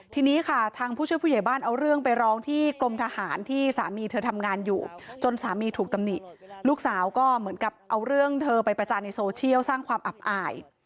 ทีนี้ค่ะทางผู้ช่วยผู้ใหญ่บ้านเอาเรื่องไปร้องที่กรมทหารที่สามีเธอทำงานอยู่จนสามีถูกตำหนิลูกสาวก็เหมือนกับเอาเรื่องเธอไปประจานในโซเชียลสร้างความอับอาย